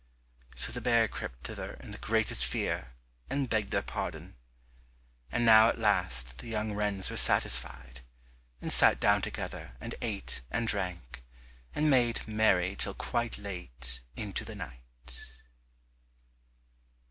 So the bear crept thither in the greatest fear, and begged their pardon. And now at last the young wrens were satisfied, and sat down together and ate and drank, and made merry till quite late into the night.